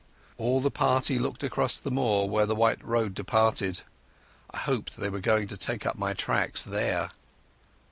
All the party looked out across the moor where the white road departed. I hoped they were going to take up my tracks there.